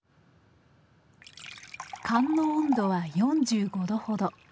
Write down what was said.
燗の温度は４５度ほど。